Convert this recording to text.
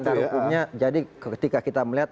dasar hukumnya jadi ketika kita melihat